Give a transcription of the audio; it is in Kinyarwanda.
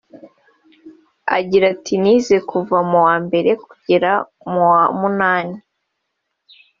Agira ati “Nize kuva mu wa mbere kugera mu wa munani